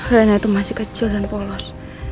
karena itu masih kecil dan polos